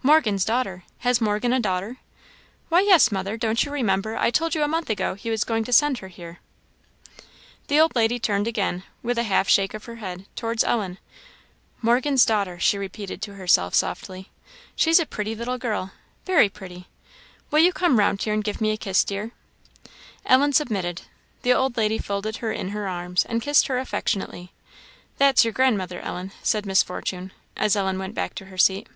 "Morgan's daughter! Has Morgan a daughter?" "Why, yes, mother; don't you remember I told you a month ago he was going to send her here?" The old lady turned again, with a half shake of her head, towards Ellen. "Morgan's daughter," she repeated to herself, softly, "she's a pretty little girl very pretty. Will you come round here and give me a kiss, dear?" Ellen submitted. The old lady folded her in her arms, and kissed her affectionately. "That's your grandmother, Ellen," said Miss Fortune, as Ellen went back to her seat.